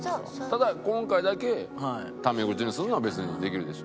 ただ今回だけため口にするのは別にできるでしょ？